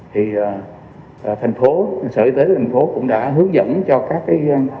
thì thành phố sở y tế tp hcm cũng đã hướng dẫn cho các cái